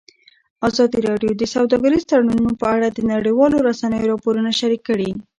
ازادي راډیو د سوداګریز تړونونه په اړه د نړیوالو رسنیو راپورونه شریک کړي.